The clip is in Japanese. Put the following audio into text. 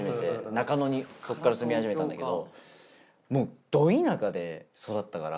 中野にそっから住みはじめたんだけどもうド田舎で育ったから。